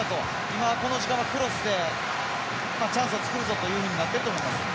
今この時間、クロスでチャンスを作るぞとなっていると思います。